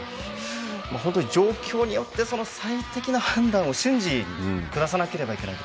本当に状況によって最適な判断を瞬時にくださなければならない。